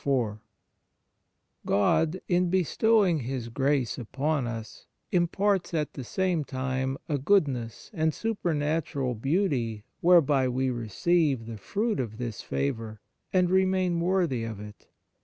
iv GOD, in bestowing His grace upon us, r imparts at the same time a goodness and supernatural beauty whereby we receive the fruit of this favour, and remain worthy of it.